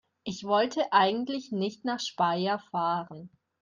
Ich wollte eigentlich nicht nach Speyer fahren